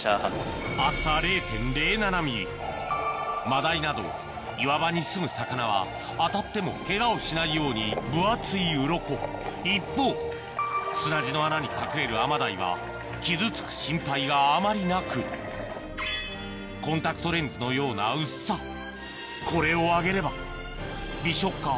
マダイなど岩場にすむ魚は当たってもケガをしないように分厚いウロコ一方砂地の穴に隠れるアマダイは傷つく心配があまりなくコンタクトレンズのような薄さこれを揚げれば美食家